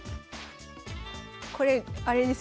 これあれです